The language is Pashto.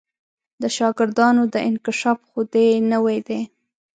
د شاګردانو دا انکشاف خو دې نوی دی.